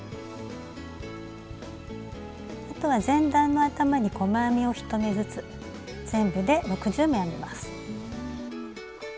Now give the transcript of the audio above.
あとは前段の頭に細編みを１目ずつ全部で６０目編みます。